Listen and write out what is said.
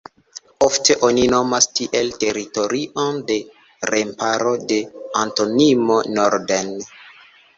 Ofte oni nomas tiel teritorion de remparo de Antonino norden.